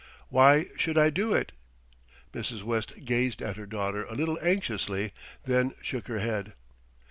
Why should I do it?" Mrs. West gazed at her daughter a little anxiously, then shook her head.